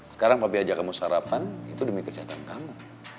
sekarang papi aja kamu sarapan itu demi kesehatan kamu